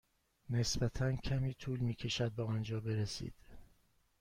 نسبتا کمی طول می کشد به آنجا برسید.